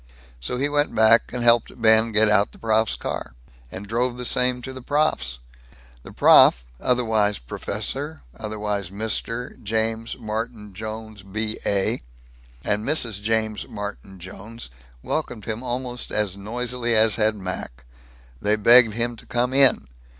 So he went back and helped Ben get out the prof's car, and drove the same to the prof's. The prof, otherwise professor, otherwise mister, James Martin Jones, B.A., and Mrs. James Martin Jones welcomed him almost as noisily as had Mac. They begged him to come in.